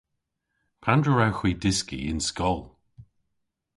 Pandr'a wrewgh hwi dyski y'n skol?